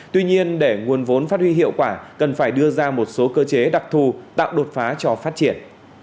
tuy nhiên để nguồn vốn phát huy hiệu quả cần phải đưa ra một số cơ chế đặc thù tạo đột phá cho phát triển